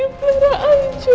hidup clara hancur